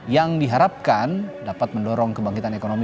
yang diharapkan dapat mendorong kebangkitan ekonomi